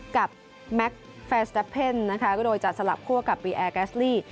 กับแมคแฟร์แสปเป็นนะคะก็โดยจะสลับคั่วกับปีแอร์แก๊สลี่